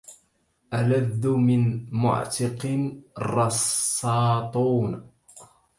ألذ من معتق الرساطون